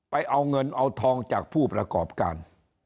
เอาเงินเอาทองจากผู้ประกอบการ